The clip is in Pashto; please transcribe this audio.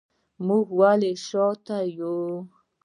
موږ ولې شاته یو؟